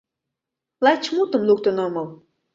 Лач мутым луктын омыл.